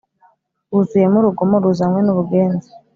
Wuzuyemo urugomo ruzanywe n ubugenza